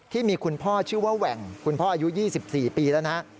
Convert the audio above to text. ที่มีคุณพ่อชื่อว่าแหว่งคุณพ่ออายุ๒๔ปีแล้วนะฮะ